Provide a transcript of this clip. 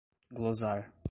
glosar